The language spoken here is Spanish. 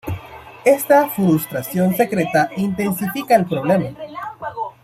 Esta frustración secreta intensifica el problema.